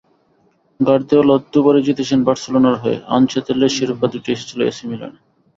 Guardiola দুবারই জিতেছেন বার্সেলোনার হয়ে, আনচেলত্তির শিরোপা দুটি এসেছিল এসি মিলানে।